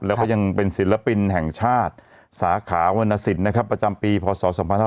แล้วก็ยังเป็นศิลปินแห่งชาติสาขาวรรณสินนะครับประจำปีพศ๒๕๕๙